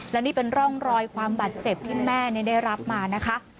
และนี่เป็นร่องรอยความบาดเจ็บที่แม่ได้รับมานะคะ